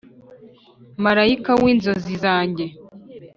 Marayika w ' inzozi zanjye,